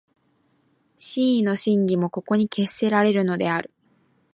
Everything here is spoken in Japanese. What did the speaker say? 思惟の真偽もここに決せられるのである。